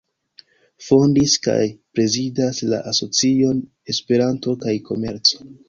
Fondis kaj prezidas la Asocion Esperanto kaj Komerco.